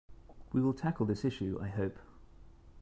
We will tackle this issue, I hope.